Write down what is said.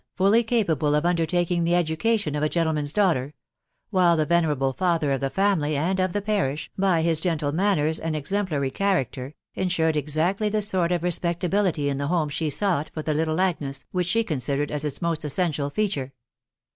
folly capable* of undertaking the: education1 of' a. gentleman's* daughter; while the venerable, father of the family and of. the parish, by hit gentle manners: and exemplary character,. enanred exactly the s»rt of respeetability in the home she sought for the little Agnes, which she considered aa its most essential feature.